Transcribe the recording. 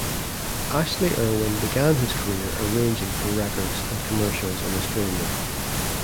Ashley Irwin began his career arranging for records and commercials in Australia.